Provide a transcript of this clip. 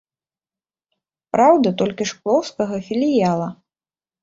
Праўда, толькі шклоўскага філіяла.